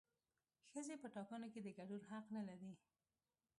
ښځې په ټاکنو کې د ګډون حق نه لري